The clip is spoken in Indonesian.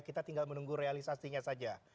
kita tinggal menunggu realisasinya saja